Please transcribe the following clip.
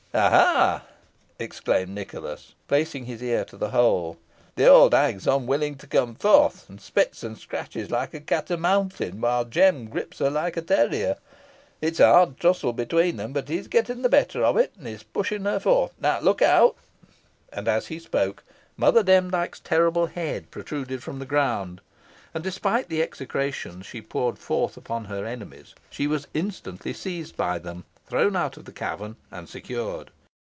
"Aha!" exclaimed Nicholas, placing his ear to the hole. "The old hag is unwilling to come forth, and spits and scratches like a cat a mountain, while Jem gripes her like a terrier. It is a hard tussle between them, but he is getting the better of it, and is pushing her forth. Now look out." And as he spoke, Mother Demdike's terrible head protruded from the ground, and, despite of the execrations she poured forth upon her enemies, she was instantly seized by them, drawn out of the cavern, and secured.